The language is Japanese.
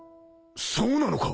そうなのか！？